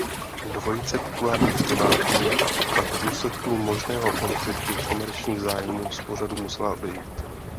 Dvojice populárních zpěváků pak v důsledku možného konfliktu komerčních zájmů z pořadu musela odejít.